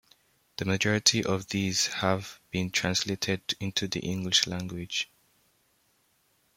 The majority of these have been translated into the English language.